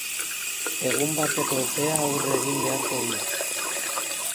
Egun bateko epea aurre egin beharko die.